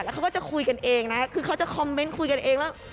เขาก็จะคุยกันเองนะคือเขาจะคอมเมนต์คุยกันเองแล้ว